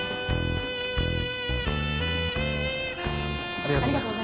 ありがとうございます。